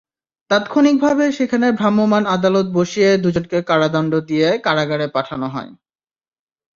তাৎক্ষণিকভাবে সেখানে ভ্রাম্যমাণ আদালত বসিয়ে দুজনকে কারাদণ্ড দিয়ে কারাগারে পাঠানো হয়।